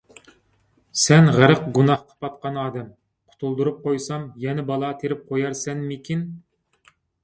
سەن غەرق گۇناھقا پاتقان ئادەم، قۇتۇلدۇرۇپ قويسام، يەنە بالا تېرىپ قويارسەنمىكىن؟